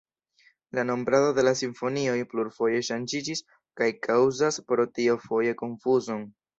La nombrado de la simfonioj plurfoje ŝanĝiĝis kaj kaŭzas pro tio foje konfuzon.